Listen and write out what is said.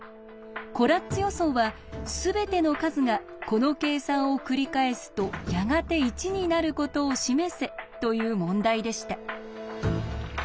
コラッツ予想はすべての数がこの計算をくりかえすとやがて１になることを示せという問題でした。